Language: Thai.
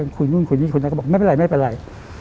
ก็บอกไม่เป็นไรไม่เป็นไร